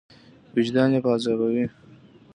وجدان یې په عذابوي.